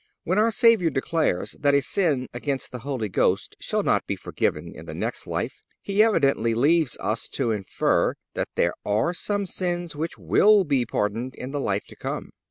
(283) When our Savior declares that a sin against the Holy Ghost shall not be forgiven in the next life, He evidently leaves us to infer that there are some sins which will be pardoned in the life to come.